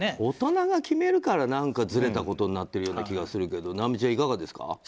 大人が決めるからずれたことになってるような気がするけど尚美ちゃん、いかがですか。